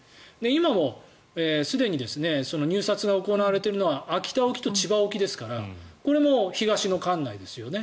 今もすでに入札が行われているのが秋田沖と千葉沖ですからこれも東の管内ですよね。